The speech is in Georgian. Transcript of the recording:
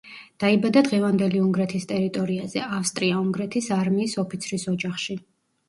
დაიბადა დღევანდელი უნგრეთის ტერიტორიაზე, ავსტრია-უნგრეთის არმიის ოფიცრის ოჯახში.